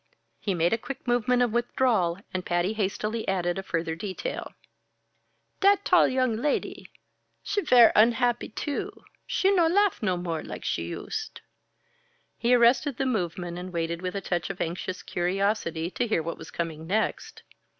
_" He made a quick movement of withdrawal, and Patty hastily added a further detail. "Dat tall young lady, she ver' unhappy too. She no laugh no more like she used." He arrested the movement and waited with a touch of anxious curiosity to hear what was coming next.